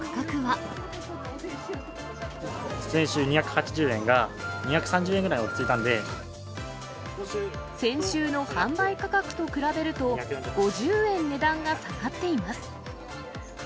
先週２８０円が、２３０円ぐ先週の販売価格と比べると、５０円値段が下がっています。